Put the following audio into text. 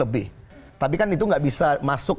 lebih tapi kan itu nggak bisa masuk